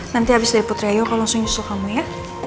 nanti habis dari putri ayu aku langsung nyusul kamu ya